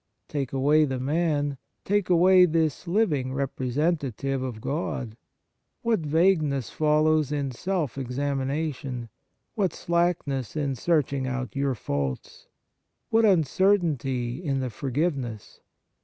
Take away the man, take away this living representative of God, what vagueness follows in self examination, what slackness in search ing out your faults ! What uncertainty in the forgiveness